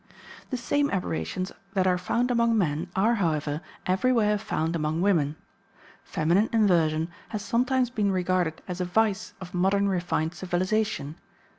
The same aberrations that are found among men are, however, everywhere found among women. Feminine inversion has sometimes been regarded as a vice of modern refined civilization.